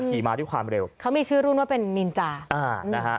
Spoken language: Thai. มาด้วยความเร็วเขามีชื่อรุ่นว่าเป็นนินจาอ่านะฮะ